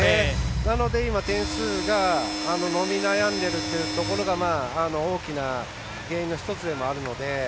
なので今、点数が伸び悩んでるというところが大きな原因の１つでもあるので。